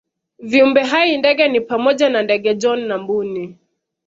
Viumbe hai ndege ni pamoja na ndege John na Mbuni